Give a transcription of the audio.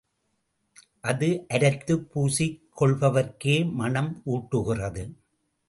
அது அரைத்துப் பூசிக் கொள்பவர்க்கே மணம் ஊட்டுகிறது.